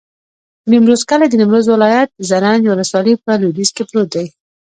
د نیمروز کلی د نیمروز ولایت، زرنج ولسوالي په لویدیځ کې پروت دی.